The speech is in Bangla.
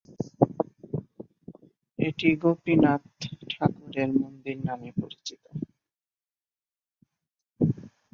এটি গোপীনাথ ঠাকুরের মন্দির নামে পরিচিত।